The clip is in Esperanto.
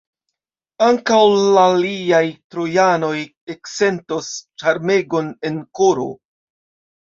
Ankaŭ l' aliaj Trojanoj eksentos ĉarmegon en koro.